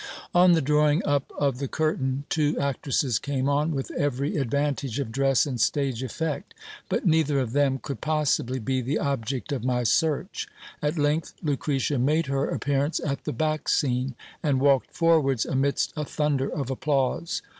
423 On the drawing up of the curtain, two actresses came on, with every advan tage of dress and stage effect : but neither of them could possibly be the object of my search. At length Lucretia made her appearance at the back scene, and walked forwards amidst a thunder of applause.